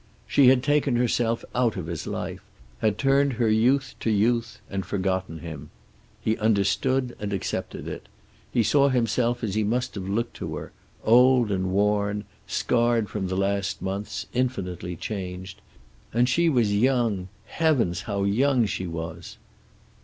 She had taken herself out of his life, had turned her youth to youth, and forgotten him. He understood and accepted it. He saw himself as he must have looked to her, old and worn, scarred from the last months, infinitely changed. And she was young. Heavens, how young she was!...